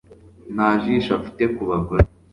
Nta jisho afite ku bagore